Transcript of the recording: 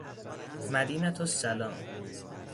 مدینة السلام